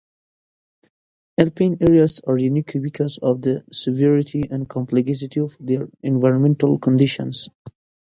Alpine areas are unique because of the severity and complexity of their environmental conditions.